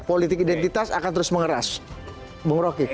politik identitas akan terus mengeras bung rocky